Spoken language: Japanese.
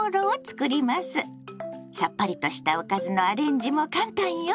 さっぱりとしたおかずのアレンジも簡単よ。